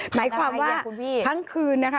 หมายความว่าทั้งคืนนะคะ